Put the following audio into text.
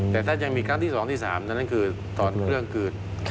แต่ถ้ายังมีครั้งที่๒ที่๓นั้นคือตอนเครื่องคืน